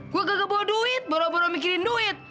gue gak bawa duit baru baru mikirin duit